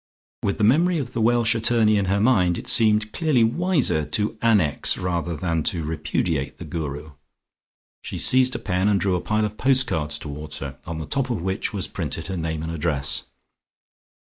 With the memory of the Welsh attorney in her mind, it seemed clearly wiser to annex rather than to repudiate the Guru. She seized a pen and drew a pile of postcards towards her, on the top of which was printed her name and address.